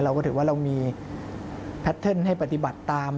เราก็ถือว่าเรามีแพทเทิร์นให้ปฏิบัติตาม